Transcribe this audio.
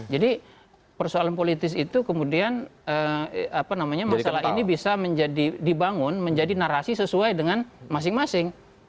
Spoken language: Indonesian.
jadi persoalan politis itu kemudian masalah ini bisa dibangun menjadi narasi sesuai dengan masing masing